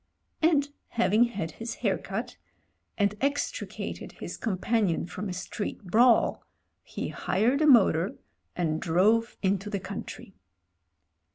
And having had his hair cut, and extricated his companion from a street brawl, he hired a motor and drove into the country.